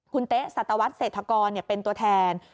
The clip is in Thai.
คุณเต๊ะสัตวัสเศรษฐกรเป็นตัวแทน